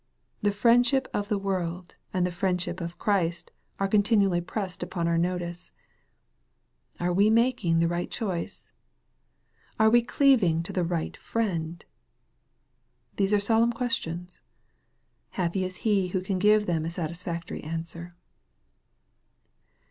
The friendship of the world and the friendship of Christ are continually pressed upon our notice. Are we making the right choice ? Are we cleaving to the right Friend ? These are solemn ques tions. Rappy is he who can give them a satisfactory answer.